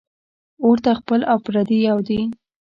اور ته خپل او پردي یو دي